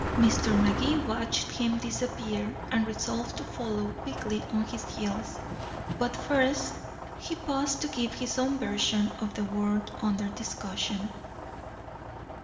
Mr. Magee watched him disappear, and resolved to follow quickly on his heels. But first he paused to give his own version of the word under discussion.